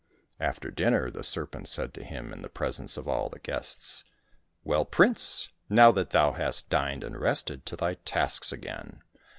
After dinner the ser pent said to him, in the presence of all the guests, " Well, prince, now that thou hast dined and rested, to thy tasks again